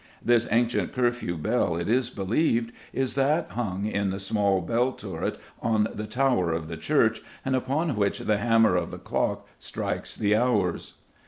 This ancient curfew bell, it is believed, is that hung in the small bell turret on the tower of the church and upon which the hammer of the clock strikes the hours.